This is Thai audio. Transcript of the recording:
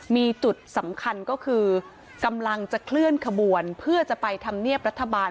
มีจุดสำคัญก็คือกำลังจะเคลื่อนขบวนเพื่อจะไปทำเนียบรัฐบาล